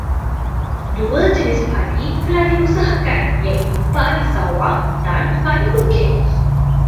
Dua jenis padi telah diusahakan iaitu padi sawah dan padi bukit.